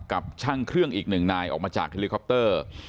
กับช่างเครื่องอีกหนึ่งนายออกมาจากเฮลิคอปเตอร์